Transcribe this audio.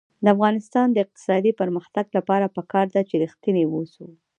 د افغانستان د اقتصادي پرمختګ لپاره پکار ده چې ریښتیني اوسو.